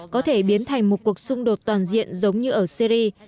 có thể biến thành một cuộc xung đột toàn diện giống như ở syri